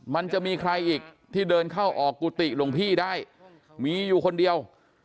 มันจะมีใครอีกที่เดินเข้าออกกุฏิหลวงพี่ได้มีอยู่คนเดียว